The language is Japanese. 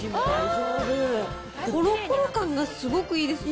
ころころ感がすごくいいですね。